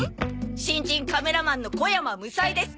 新人カメラマンの小山むさえです。